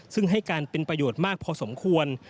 ซึ่งให้การเป็นประโยชน์มากพอสมควร